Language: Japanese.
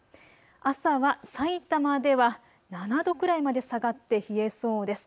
朝はさいたまでは７度くらいまで下がって冷えそうです。